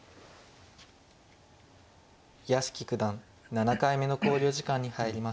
屋敷九段７回目の考慮時間に入りました。